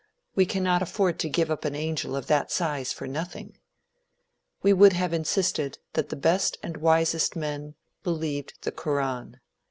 We cannot afford to give up an angel of that size for nothing." We would have insisted that the best and wisest men believed the Koran.